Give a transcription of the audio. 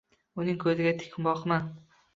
Uning ko’ziga tik boqma.